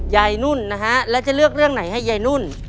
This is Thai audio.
นุ่นนะฮะแล้วจะเลือกเรื่องไหนให้ยายนุ่น